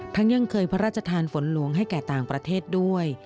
ยังเคยพระราชทานฝนหลวงให้แก่ต่างประเทศด้วย